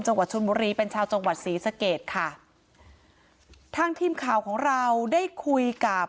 จังหวัดชนบุรีเป็นชาวจังหวัดศรีสะเกดค่ะทางทีมข่าวของเราได้คุยกับ